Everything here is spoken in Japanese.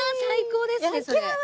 最高ですねそれ。